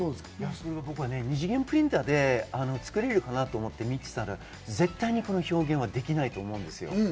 僕は２次元プリンターで作れるかなと思って見てたら、絶対にこの表現はできないと思います。